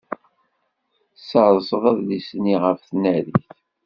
Tesserseḍ adlis-nni ɣef tnarit.